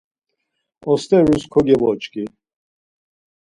Osterus kogeboç̌ǩi.